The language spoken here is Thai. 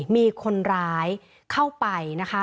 มีคนร้ายเข้าไปนะคะ